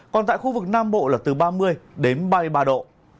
còn tại khu vực nam bộ là từ ba mươi đến ba mươi ba độ